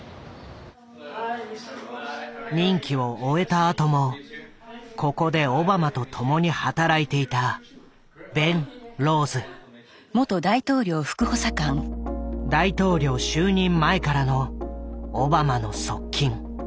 任期を終えたあともここでオバマと共に働いていた大統領就任前からのオバマの側近。